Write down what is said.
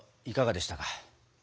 いかがでしたか？